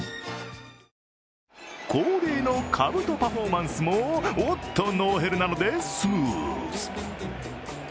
恒例のかぶとパフォーマンスもおっと、ノーヘルなのでスムーズ。